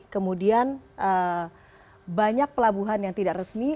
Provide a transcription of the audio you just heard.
kemudian banyak pelabuhan yang tidak resmi